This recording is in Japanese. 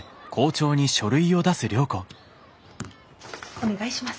お願いします。